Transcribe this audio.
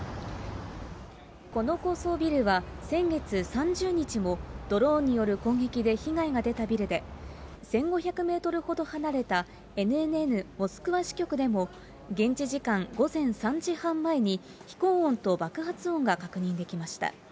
この高層ビルは、先月３０日も、ドローンによる攻撃で被害が出たビルで、１５００メートルほど離れたＮＮＮモスクワ支局でも、現地時間午前３時半前に、飛行音と爆発音が確認できました。